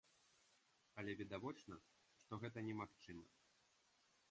Але відавочна, што гэта немагчыма.